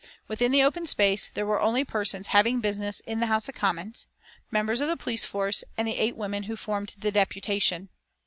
Within the open space there were only persons having business in the House of Commons, members of the police force and the eight women who formed the deputation.